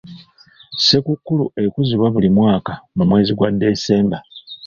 Ssekukkulu ekuzibwa buli mwaka mu mwezi gwa December.